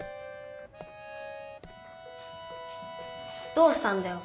どうしたんだよ？